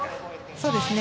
そうですね。